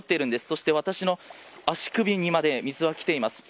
そして私の足首にまで水がきています。